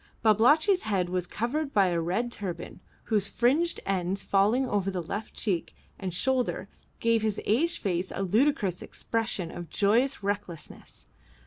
Babalatchi's head was covered by a red turban, whose fringed ends falling over the left cheek and shoulder gave to his aged face a ludicrous expression of joyous recklessness.